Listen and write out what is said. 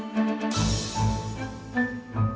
dek aku mau ke sana